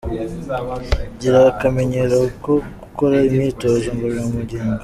Gira akamenyero ko gukora imyitozo ngororangingo.